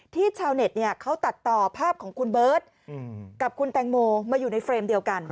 ชาวเน็ตเขาตัดต่อภาพของคุณเบิร์ตกับคุณแตงโมมาอยู่ในเฟรมเดียวกัน